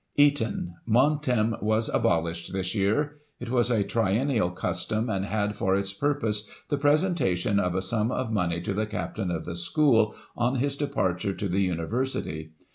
Eton " Montem " was abolished this year. It was a triennial custom, and had for its purpose the presentation of a sum of money to the Captain of the school on his departure to the University.